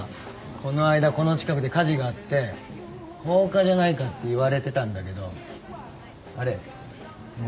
この間この近くで火事があって放火じゃないかっていわれてたんだけどあれ無理心中らしい。